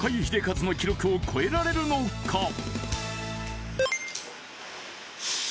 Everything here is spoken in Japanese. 英和の記録を超えられるのか？